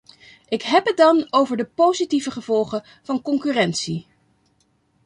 Ik heb het dan over de positieve gevolgen van concurrentie.